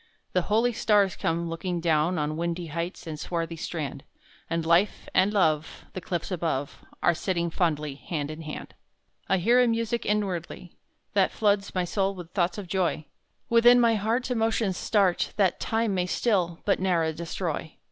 The holy stars come looking down On windy heights and swarthy strand, And Life and Love The cliffs above Are sitting fondly hand in hand. I hear a music inwardly, That floods my soul with thoughts of joy; Within my heart Emotions start That Time may still but ne'er destroy.